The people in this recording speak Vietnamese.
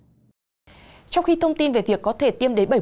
trong khi thông tin về việc có thể tiêm đến